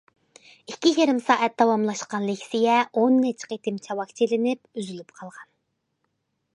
ئىككى يېرىم سائەت داۋاملاشقان لېكسىيە ئون نەچچە قېتىم چاۋاك چېلىنىپ ئۈزۈلۈپ قالغان.